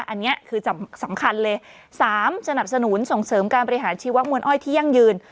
อันนี้คือสำคัญเลย๓สนับสนุนส่งเสริมการบริหารชีวมวลอ้อยที่ยั่งยืน